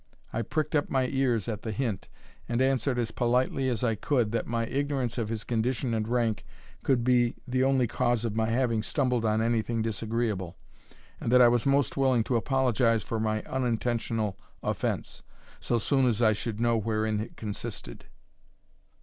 I pricked up my ears at the hint, and answered as politely as I could, that my ignorance of his condition and rank could be the only cause of my having stumbled on anything disagreeable; and that I was most willing to apologize for my unintentional offence, so soon as I should know wherein it consisted.